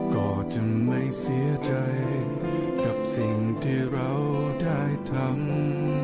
ก็จึงไม่เสียใจกับสิ่งที่เราได้ทำ